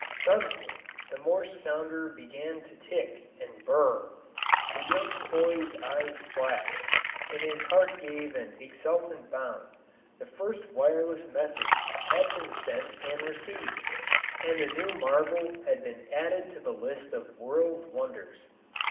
Suddenly the Morse sounder began to tick and burr r r; the boy's eyes flashed, and his heart gave an exultant bound the first wireless message had been sent and received, and a new marvel had been added to the list of world's wonders.